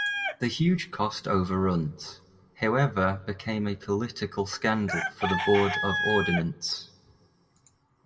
The huge cost overruns, however, became a political scandal for the Board of Ordnance.